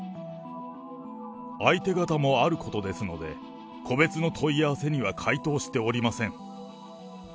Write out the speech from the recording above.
相手方もあることですので、個別の問い合わせには回答しておりません。